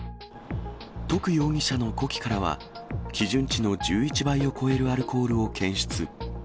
徳容疑者の呼気からは、基準値の１１倍を超えるアルコールを検出。